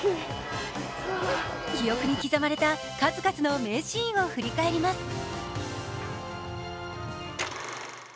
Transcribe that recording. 記憶に刻まれた数々の名シーンを振り返ります。